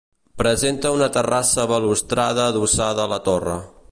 Presenta una terrassa balustrada adossada a la torre.